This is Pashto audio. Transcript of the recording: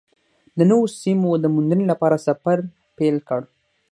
د نویو سیمو د موندنې لپاره سفر پیل کړ.